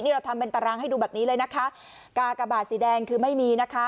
เราทำเป็นตารางให้ดูแบบนี้เลยนะคะกากระบาดสีแดงคือไม่มีนะคะ